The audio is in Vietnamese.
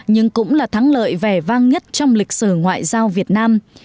nhưng cũng là thắng lợi vẻ vang nhất trong lịch sử ngoại giao việt nam